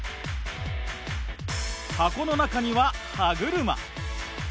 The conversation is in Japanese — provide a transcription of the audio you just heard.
箱の中には歯車。